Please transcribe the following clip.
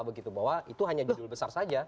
begitu bahwa itu hanya judul besar saja